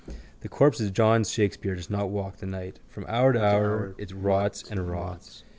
The corpse of John Shakespeare does not walk the night. From hour to hour it rots and rots.